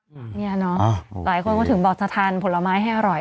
เนี่ยเนอะหลายคนก็ถึงบอกจะทานผลไม้ให้อร่อย